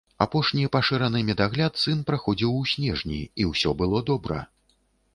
Апошні пашыраны медагляд сын праходзіў у снежні, і ўсё было добра.